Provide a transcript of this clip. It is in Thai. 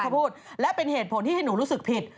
เป็นเหตุผลที่ให้หนูรู้สึกผิด